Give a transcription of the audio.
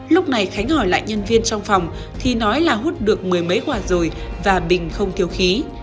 lúc này khánh hỏi lại nhân viên trong phòng thì nói là hút được mười mấy quả rồi và bình không thiếu khí